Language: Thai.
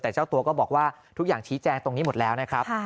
แต่เจ้าตัวก็บอกว่าทุกอย่างชี้แจงตรงนี้หมดแล้วนะครับ